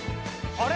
・あれ？